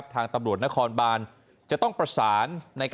ทางตำรวจนครบานจะต้องประสาน